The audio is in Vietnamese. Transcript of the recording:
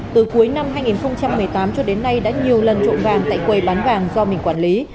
từ cuối năm hai nghìn một mươi tám cho đến nay đã nhiều lần trộn vàng tại quầy bán vàng do mình quản lý